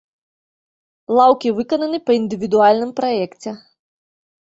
Лаўкі выкананы па індывідуальным праекце.